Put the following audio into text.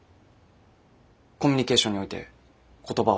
コミュニケーションにおいて言葉は重要です。